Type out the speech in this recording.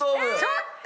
ちょっと！